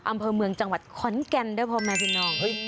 อำเภอเมืองจังหวัดคอนกันเด้อพอลมาฟินองค์